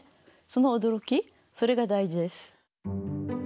その驚きそれが大事です。